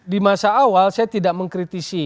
di masa awal saya tidak mengkritisi